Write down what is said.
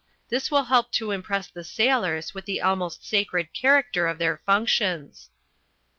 This will help to impress the sailors with the almost sacred character of their functions."